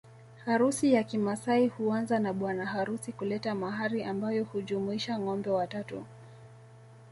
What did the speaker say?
Harusi ya kimaasai huanza na bwana harusi kuleta mahari ambayo hujumuisha ngombe watatu